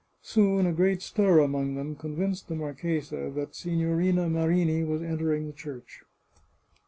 Soon a great stir among them convinced the marchesa that Signorina Marini was entering the church.